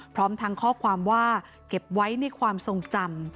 พร้อมทั้งข้อความว่าเก็บไว้ในความทรงจำ